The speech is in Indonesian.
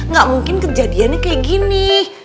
gak mungkin kejadiannya kayak gini